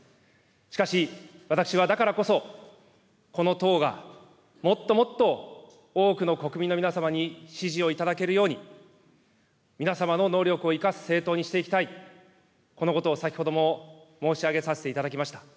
しかし、私はだからこそ、この党がもっともっと多くの国民の皆様に支持を頂けるように皆様の能力を生かす政党にしていきたい、このことを先ほども申し上げさせていただきました。